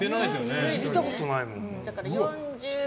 見たことないもん。